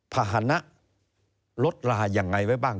ภาษณะลดลายังไงไว้บ้าง